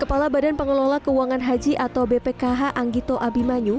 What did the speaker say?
kepala badan pengelola keuangan haji atau bpkh anggito abimanyu